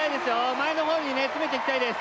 前の方に詰めていきたいです